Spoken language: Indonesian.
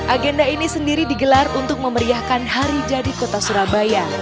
agenda ini sendiri digelar untuk memeriahkan hari jadi kota surabaya